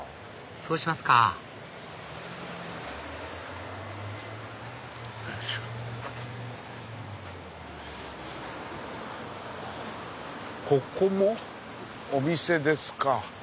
そうしますかここもお店ですか。